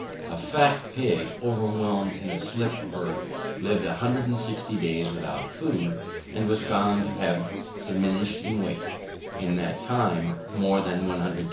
411), a fat pig, overwhelmed in a slip of earth, lived 160 days without food, and was found to have diminished in weight, in that time, more than 120 lbs.